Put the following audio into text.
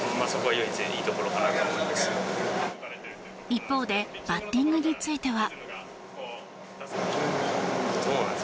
一方でバッティングについては。